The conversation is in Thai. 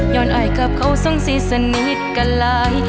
ย้อนไอกับเขาสังสิทธิ์สนิทกันลาย